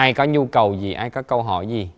ai có nhu cầu gì ai có câu hỏi gì